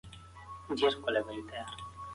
شاه شجاع په ویالې کې ځان پټ کړ.